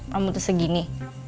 kamu tuh segini